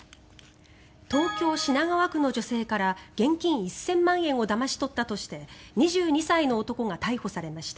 東京・品川区の女性から現金１０００万円をだまし取ったとして２２歳の男が逮捕されました。